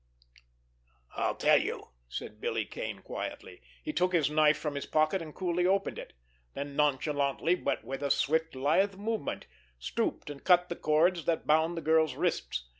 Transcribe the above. "I'll tell you," said Billy Kane quietly. He took his knife from his pocket, and coolly opened it; then nonchalantly, but with a swift, lithe movement, stooped and cut the cords that bound the girl's wrists.